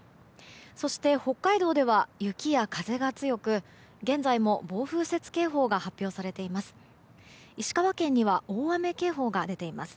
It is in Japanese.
そして、北海道では雪や風が強く現在も暴風雪警報が発表されています。